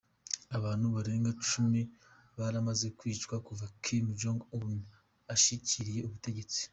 Abantu barenga cumi baramaze kwicwa kuva Kim Jong-un ashikiriye ubutegetsi.